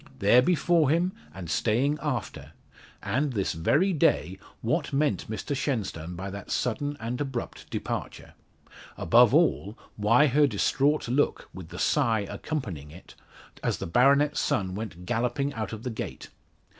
There before him, and staying after! And this very day, what meant Mr Shenstone by that sudden and abrupt departure? Above all, why her distraught look, with the sigh accompanying it, as the baronet's son went galloping out of the gate?